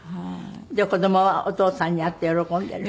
子どもはお父さんに会って喜んでる？